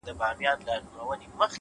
يارانو راټوليږی چي تعويذ ورڅخه واخلو-